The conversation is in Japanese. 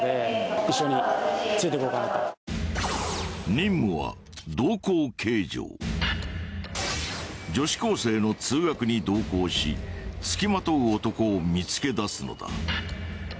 任務は女子高生の通学に同行しつきまとう男を見つけ出すのだ。